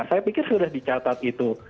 saya pikir sudah dicatat itu